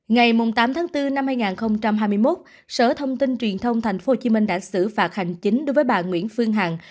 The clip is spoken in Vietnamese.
ngày tám tháng bốn năm hai nghìn hai mươi một sở thông tin truyền thông tp hcm đã xử phạt hành chính đối với bà nguyễn phương hằng